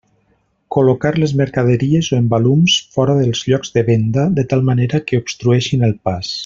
Col·locar les mercaderies o embalums fora dels llocs de venda de tal manera que obstrueixin el pas.